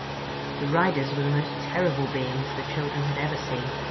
The riders were the most terrible beings the children had ever seen.